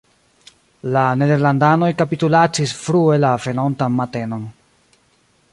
La nederlandanoj kapitulacis frue la venontan matenon.